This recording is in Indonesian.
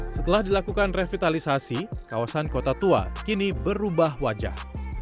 setelah dilakukan revitalisasi kawasan kota tua kini berubah wajah